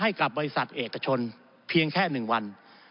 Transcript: ให้กับบริษัทเอกชนเพียงแค่๑วัน